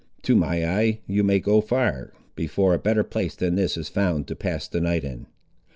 To my eye you may go far, before a better place than this is found to pass the night in."